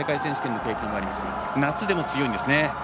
夏でも強いんですね。